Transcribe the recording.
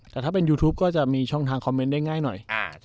แต่ถ้าเป็นยูทูปก็จะมีช่องทางคอมเมนต์ได้ง่ายหน่อย